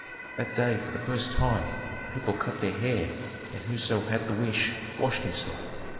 That day for the first time people cut their hair and whoso had the wish washed himself.